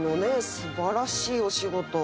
すばらしいお仕事